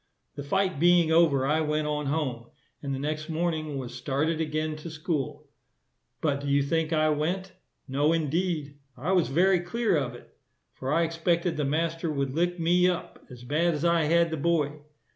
The fight being over, I went on home, and the next morning was started again to school; but do you think I went? No, indeed. I was very clear of it; for I expected the master would lick me up, as bad as I had the boy.